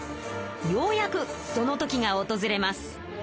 ようやくその時がおとずれます。